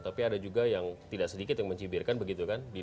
tapi ada juga yang tidak sedikit yang mencibirkan begitu kan